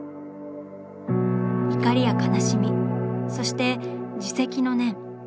怒りや悲しみそして自責の念。